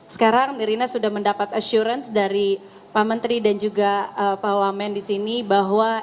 sekarang nirina sudah mendapat assurance dari pak menteri dan juga pak wamen di sini bahwa